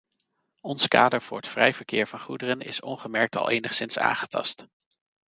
Ons kader voor het vrij verkeer van goederen is ongemerkt al enigszins aangetast.